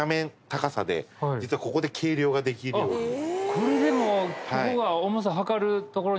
これでもう。